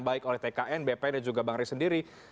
baik oleh tkn bpn dan juga bang ri sendiri